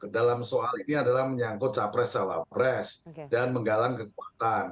dalam soal ini adalah menyangkut capres cawapres dan menggalang kekuatan